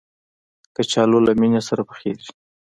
کچالو له مېنې سره پخېږي